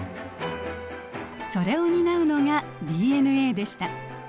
それを担うのがＤＮＡでした。